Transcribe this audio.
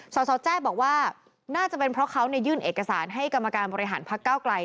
สสแจ้บอกว่าน่าจะเป็นเพราะเขายื่นเอกสารให้กรรมการบริหารพักเก้าไกล